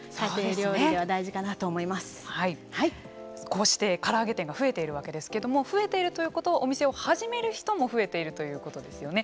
こうしてから揚げ店が増えているわけですけども増えているということお店を始める人も増えているということですよね。